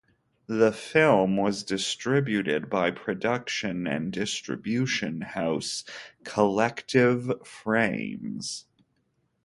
The film was distributed by production and distribution house Collective Frames.